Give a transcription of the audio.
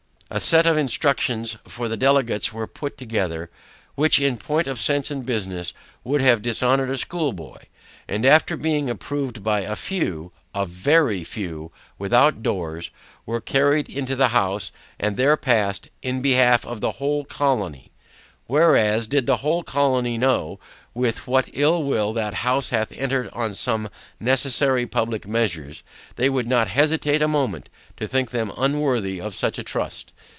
A set of instructions for the Delegates were put together, which in point of sense and business would have dishonored a schoolboy, and after being approved by a FEW, a VERY FEW without doors, were carried into the House, and there passed IN BEHALF OF THE WHOLE COLONY; whereas, did the whole colony know, with what ill will that House hath entered on some necessary public measures, they would not hesitate a moment to think them unworthy of such a trust.